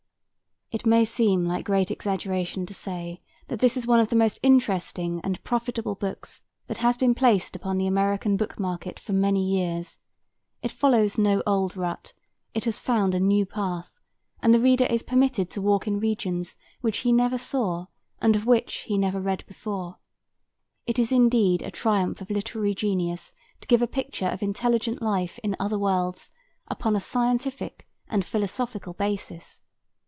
It may seem like great exaggeration to say that this is one of the most interesting and profitable books that has been placed upon the American book market for many years. It follows no old rut; it has found a new path, and the reader is permitted to walk in regions which he never saw and of which he never read before. It is indeed a triumph of literary genius to give a picture of intelligent life in other worlds upon a scientific and philosophical basis.